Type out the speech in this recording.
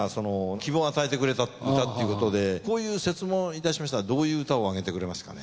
希望を与えてくれた歌っていうことでこういう設問をいたしましたらどういう歌をあげてくれますかね？